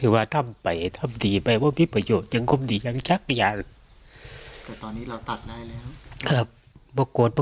เห็นครับครับไอ้ดีพี่สาวแล้วดีใจไหม